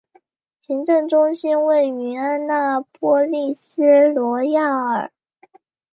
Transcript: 行政中心位于安纳波利斯罗亚尔。